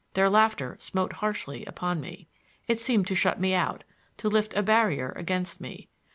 Their laughter smote harshly upon me. It seemed to shut me out,—to lift a barrier against me.